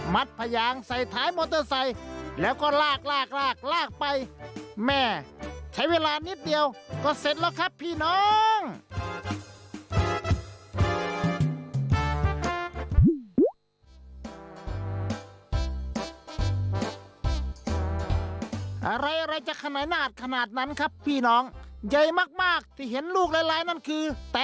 น้องหมายุคใหม่จะขี้เฮ้าไม่ได้ต้องทันเฉลี่ยบ้านเขา